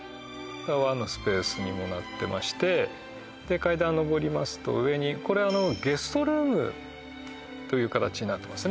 和のスペースにもなってましてで階段上りますと上にこれあのゲストルームという形になってますね